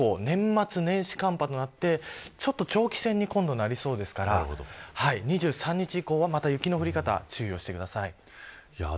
３０日以降年末年始寒波となってちょっと長期戦に今度はなりそうですから２３日以降は、また雪の降り方に注意してください。